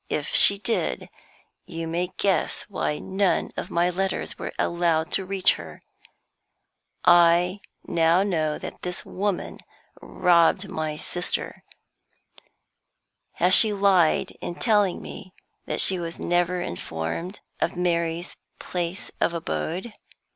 If she did, you may guess why none of my letters were allowed to reach her. I now know that this woman robbed my sister. Has she lied in telling me that she was never informed of Mary's place of abode?"